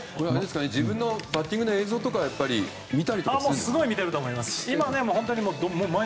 自分のバッティングの映像とかを見てると思います。